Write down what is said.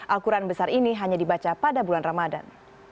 al quran besar ini hanya dibaca pada bulan ramadan